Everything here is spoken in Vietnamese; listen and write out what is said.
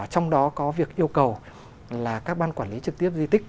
trong đó có việc yêu cầu là các ban quản lý trực tiếp di tích